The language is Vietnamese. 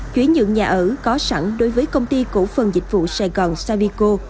chuyển nhượng nhà ở có sẵn đối với công ty cổ phần dịch vụ sài gòn savico